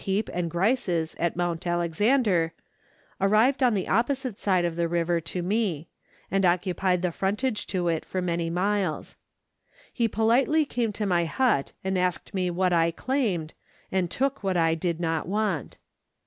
Heape and Grice's at Mount Alexander, arrived on the opposite side of the river to me, and occupied the frontage to it for many miles. He politely came to my hut and asked me what I claimed, and took what I did not want.